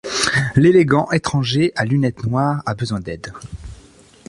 L'élégant étranger à lunettes noires a besoin d'aide.